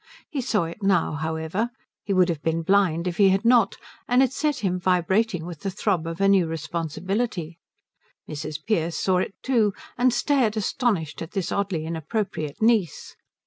He saw it now, however; he would have been blind if he had not; and it set him vibrating with the throb of a new responsibility. Mrs. Pearce saw it too, and stared astonished at this oddly inappropriate niece.